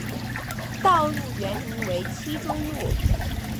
道路原名为七中路。